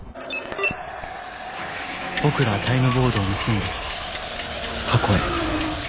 僕らはタイムボードを盗んで過去へ。